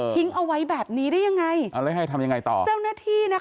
ทิ้งเอาไว้แบบนี้ได้ยังไง